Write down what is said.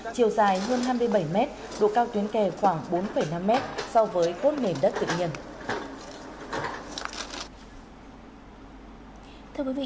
chiều dài hơn năm mươi bảy mét độ cao tuyến kè khoảng bốn năm mét so với cốt nền đất tự nhiên